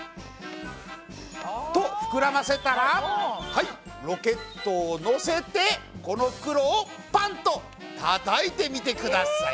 と膨らませたらはいロケットをのせてこの袋をパンとたたいてみてください。